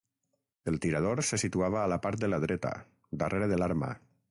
El tirador se situava a la part de la dreta, darrere de l'arma.